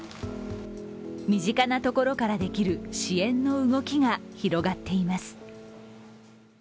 身近なところからできる支援の動きが広がっています。